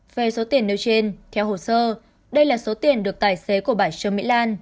về số tiền nêu trên theo hồ sơ đây là số tiền được tài xế của bà trương mỹ lan